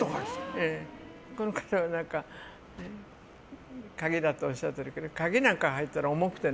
この方、鍵だとおっしゃってるけど鍵なんか入ったら重くてね。